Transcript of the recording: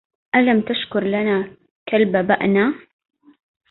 ألم تشكر لنا كلب بأنا